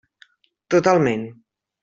Totalment.